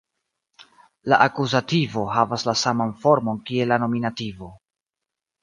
La akuzativo havas la saman formon kiel la nominativo.